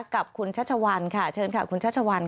กับคุณชัชชาวาค่ะเชิญค่ะคุณชัชชาวาค่ะ